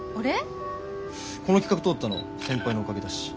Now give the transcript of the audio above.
この企画通ったの先輩のおかげだし。